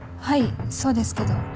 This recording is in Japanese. はいそうですけど。